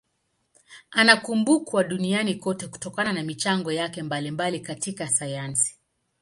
Anakumbukwa duniani kote kutokana na michango yake mbalimbali katika sayansi.